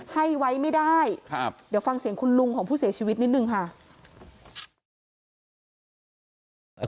ให้ไว้ไม่ได้เดี๋ยวฟังเสียงคุณลุงของผู้เสียชีวิตนิดนึงค่ะ